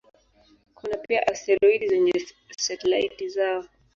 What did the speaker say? Kuna pia asteroidi zenye satelaiti zao.